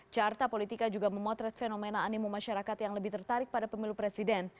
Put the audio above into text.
carta politika juga memotret fenomena animu masyarakat yang lebih tertarik pada pemilu presiden